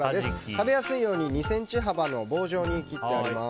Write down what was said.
食べやすいように２ｃｍ幅の棒状に切ってあります。